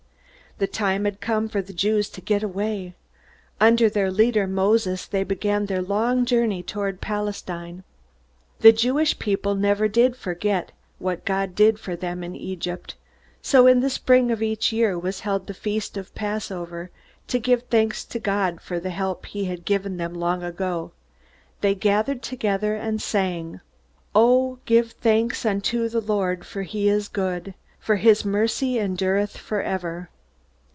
The time had come for the Jews to get away. Under their leader, Moses, they began their long journey toward Palestine. The Jewish people never forgot what God did for them in Egypt. So in the spring of each year was held the Feast of the Passover, to give thanks to God for the help he had given them long ago. They gathered together and sang: "O give thanks unto the Lord, for he is good: For his mercy endureth for ever."